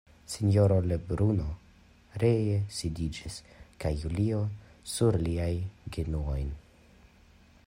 Sinjoro Lebruno ree sidiĝis kaj Julio sur liajn genuojn.